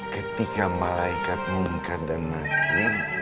ketika malaikat mengungkar dan naklim